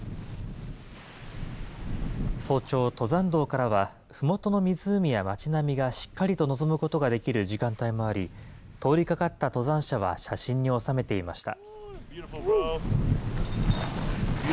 早朝、登山道からはふもとの湖や町並みがしっかりと望むことができる時間帯もあり、通りかかった登山者は、写真に収めていました。